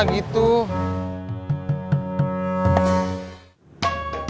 boleh ikut duduk